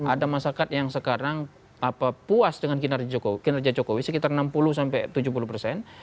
ada masyarakat yang sekarang puas dengan kinerja jokowi sekitar enam puluh sampai tujuh puluh persen